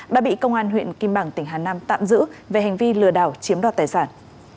đã bị công an huyện kim bảng tỉnh hà nam tạm giữ về hành vi lừa đảo chiếm đoạt tài sản